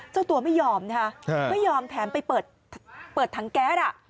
เจ้าตัวไม่ยอมนะคะไม่ยอมแถมไปเปิดถังแก๊ส